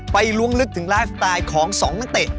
ล้วงลึกถึงไลฟ์สไตล์ของ๒นักเตะ